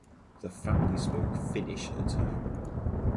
The family spoke Finnish at home.